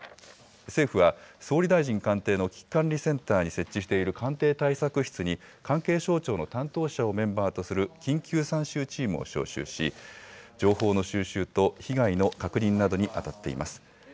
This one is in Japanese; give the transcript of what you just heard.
政府は総理大臣官邸の危機管理センターに設置している官邸対策室に、関係省庁の担当者をメンバーとする緊急参集チームを招集し、情報の収集と被害の確認などに当たっています。